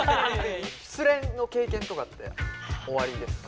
失恋の経験とかっておありですか？